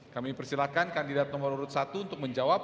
kami persilahkan kandidat nomor urut satu untuk menjawab